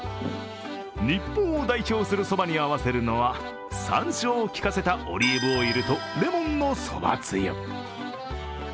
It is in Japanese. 日本を代表するそばに合わせるのはさんしょうを効かせたオリーブオイルとレモンのそばつゆ。